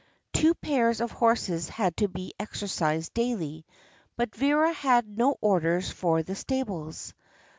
Two pairs of horses had to be exercised daily, but Vera had no orders for the stables.